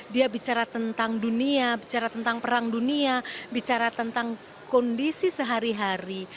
dia bicara tentang dunia bicara tentang perang dunia bicara tentang kondisi sehari hari